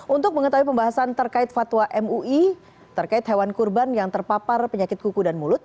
untuk mengetahui pembahasan terkait fatwa mui terkait hewan kurban yang terpapar penyakit kuku dan mulut